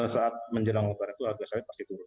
saat menjelang lebaran itu